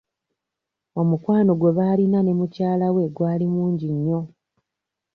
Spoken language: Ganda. Omukwano gwe baalina ne mukyala we gwali mungi nnyo.